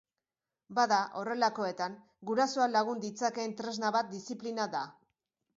Bada, horrelakoetan, gurasoak lagun ditzakeen tresna bat diziplina da.